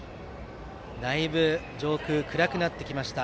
上空暗くなってきました。